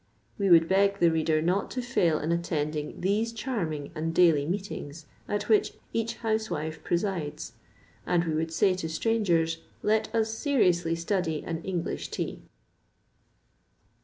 We would beg the reader not to fail in attending these charming and daily meetings, at which each housewife presides, and we would say to strangers, let us seriously study an English tea.